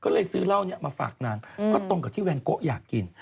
ก็เลยซื้อเหล้านี้มาฝากนางก็ตรงกับที่แวนโกะอยากกิน